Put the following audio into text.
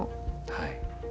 はい。